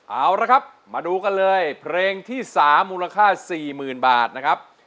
เอาละครับมาดูกันเลยเพลงที่๓มูลค่า๔๐๐๐บาทนะครับ